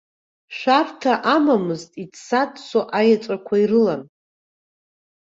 Шәарҭа амамызт, иӡса-ӡсо аеҵәақәа ирылан.